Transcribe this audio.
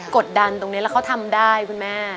กดดันตรงนี้แล้วเขาทำได้คุณแม่